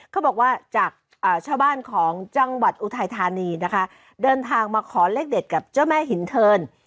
เขาบอกว่าจากชาวบ้านของจังหวัดอุทัยธานีนะคะเดินทางมาขอเลขเด็ดกับเจ้าแม่หินเทิน